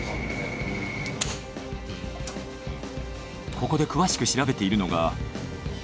ここで詳しく調べているのが。